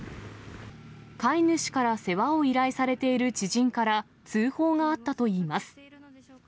飼い主から世話を依頼されている知人から通報があったといいます。